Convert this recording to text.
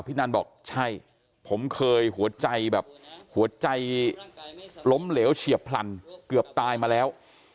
นันบอกใช่ผมเคยหัวใจแบบหัวใจล้มเหลวเฉียบพลันเกือบตายมาแล้ว